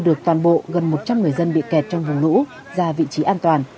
được toàn bộ gần một trăm linh người dân bị kẹt trong vùng lũ ra vị trí an toàn